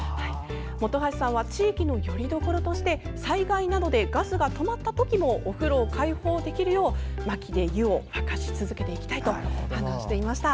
本橋さんは地域のよりどころとして災害などでガスが止まった時もお風呂を開放できるよう薪で湯を沸かし続けていきたいと話していました。